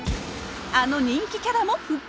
あの人気キャラも復活！